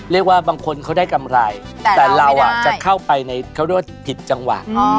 เรียกว่าบางคนเขาได้กำไรแต่เราจะเข้าไปในเขาเรียกว่าผิดจังหวะ